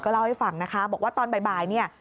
เล่าให้ฟังนะคะบอกว่าตอนบ่ายเนี่ย